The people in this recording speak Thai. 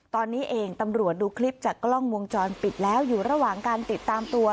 ตอนนี้เองตำรวจดูคลิปจากกล้องวงจรปิดแล้วอยู่ระหว่างการติดตามตัว